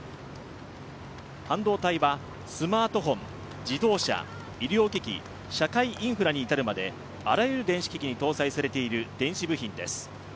半導体はスマートフォン、自動車、医療機器、社会インフラに至るまであらゆる電子機器に搭載されている電子部品です。